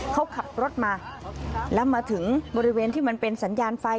เขาขับรถมาแล้วมาถึงบริเวณที่มันเป็นสัญญาณไฟ